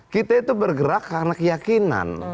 kita itu bergerak karena keyakinan